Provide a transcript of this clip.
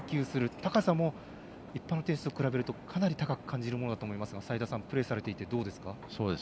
高さも一般のテニス比べるとかなり高く感じるものだと思いますが齋田さん、プレーされていてどうですか？